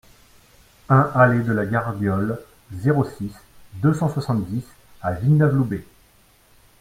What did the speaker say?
un allée de la Gardiole, zéro six, deux cent soixante-dix à Villeneuve-Loubet